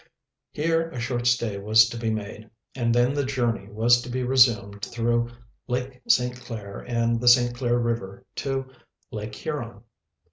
Here a short stay was to be made, and then the journey was to be resumed through Lake St. Clair and the St. Clair River to Lake Huron.